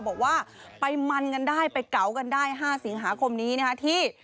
บอกว่าไปมันกันได้ไปเก๋ากันได้๕สิงหาคมนี้นะคะที่